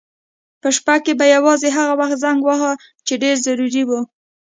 په شپه کې به یې یوازې هغه وخت زنګ واهه چې ډېر ضروري و.